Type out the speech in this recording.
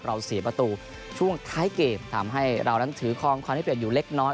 เสียประตูช่วงท้ายเกมทำให้เรานั้นถือคลองความได้เปรียบอยู่เล็กน้อย